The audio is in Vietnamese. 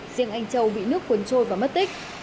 riêng anh châu bị nước cuốn trôi và mất tích